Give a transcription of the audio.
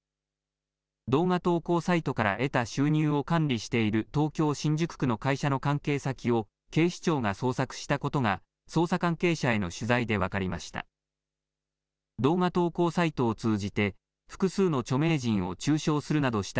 動画投稿サイトから得た収入を管理している東京新宿区の会社の関係先を警視庁が捜索したことが捜査関係者への取材で分かりました。